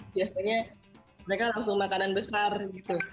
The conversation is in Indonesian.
biasanya mereka langsung makanan besar gitu